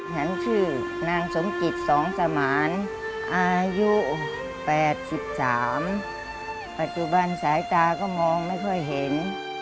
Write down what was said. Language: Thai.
ฉันชื่อนางสมจิตสองสมานอายุ๘๓ปัจจุบันสายตาก็มองไม่ค่อยเห็น